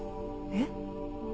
えっ？